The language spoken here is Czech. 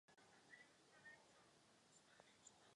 Tento pseudonym si vybral podle vrchu nad svým rodištěm.